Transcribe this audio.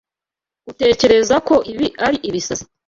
Utekereza ko ibi ari ibisazi?